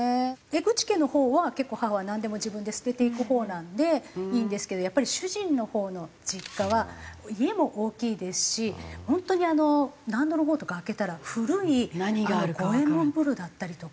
江口家のほうは結構母はなんでも自分で捨てていくほうなんでいいんですけどやっぱり主人のほうの実家は家も大きいですし本当に納戸のほうとか開けたら古い五右衛門風呂だったりとか。